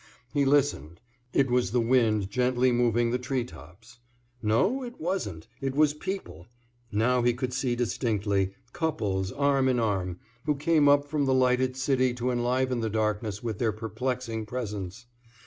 He listened. It was the wind gently moving the tree tops. No, it wasn't, it was people now he could see distinctly couples arm in arm, who came up from the lighted city to enliven the darkness with their perplexing presence.